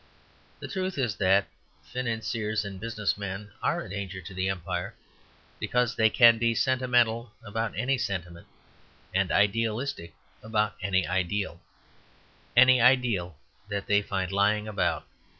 The truth is that financiers and business men are a danger to the empire because they can be sentimental about any sentiment, and idealistic about any ideal, any ideal that they find lying about.